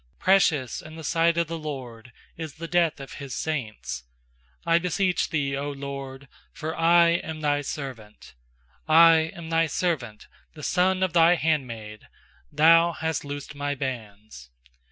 15Precious in the sight of the LORD Is the death of His saints. 16I beseech Thee, 0 LORD, for I am Thy servant; I am Thy servant, the son of Thy handmaid; Thou hast loosed my bands.